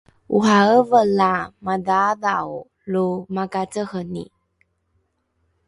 ora’eve la madhaadhao lo makaceheni